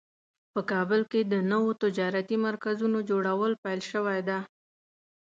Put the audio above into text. په کابل کې د نوو تجارتي مرکزونو جوړول پیل شوی ده